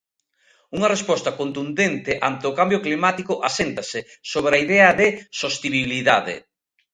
Unha resposta contundente ante o cambio climático aséntase, sobre a idea de sostibilidade.